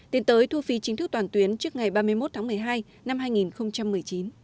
tiến tới thu phí chính thức toàn tuyến trước ngày ba mươi một tháng một mươi hai năm hai nghìn một mươi chín